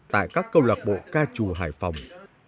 tại các câu lạc bộ ca trù hải phòng